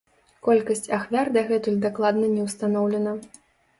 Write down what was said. Колькасць ахвяр дагэтуль дакладна не ўстаноўлена.